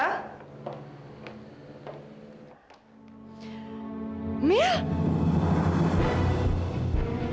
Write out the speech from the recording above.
kok kamu kayak gini sih